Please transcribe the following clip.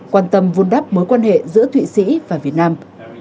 quan tâm vun đắp mối quan hệ giữa thụy sĩ và việt nam